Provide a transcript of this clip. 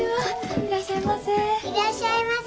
いらっしゃいませ。